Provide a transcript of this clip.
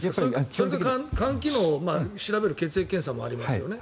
それと、肝機能を調べる血液検査もありますよね。